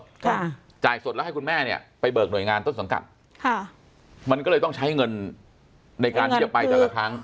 ค่ะจ่ายสดแล้วให้คุณแม่เนี้ยไปเบิกหน่วยงานต้นสังกัดค่ะมันก็เลยต้องใช้เงินในการที่จะไปแต่ละครั้ง